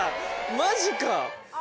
マジか！